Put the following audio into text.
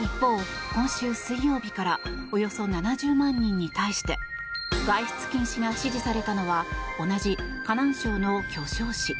一方、今週水曜日からおよそ７０万人に対して外出禁止が指示されたのは同じ河南省の許昌市。